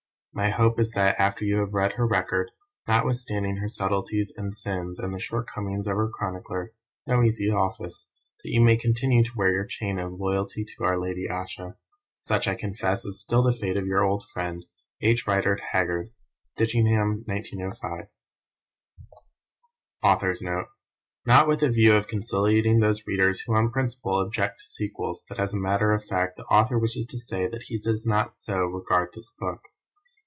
My hope is that after you have read her record, notwithstanding her subtleties and sins and the shortcomings of her chronicler (no easy office!) you may continue to wear your chain of "loyalty to our lady Ayesha." Such, I confess, is still the fate of your old friend H. RIDER HAGGARD. DITCHINGHAM, 1905. AUTHOR'S NOTE Not with a view of conciliating those readers who on principle object to sequels, but as a matter of fact, the Author wishes to say that he does not so regard this book.